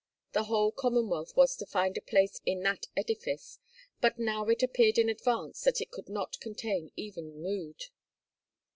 The whole Commonwealth was to find a place in that edifice, but now it appeared in advance that it could not contain even Jmud.